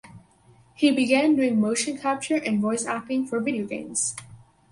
He began doing motion capture and voice acting for video games.